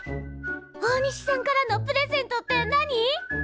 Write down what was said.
大西さんからのプレゼントって何？